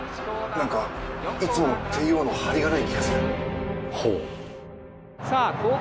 何かいつものテイオーの張りがない気がする。